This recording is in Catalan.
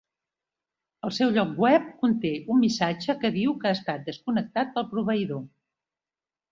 El seu lloc web conté un missatge que diu que ha estat desconnectat pel proveïdor.